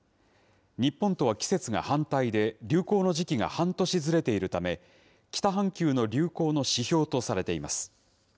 日本とは季節が反対で、流行の時期が半年ずれているため、北半球の流行の指標とされています。